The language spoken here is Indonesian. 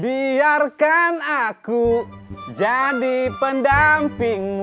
biarkan aku jadi pendampingmu